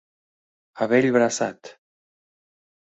A bell braçat.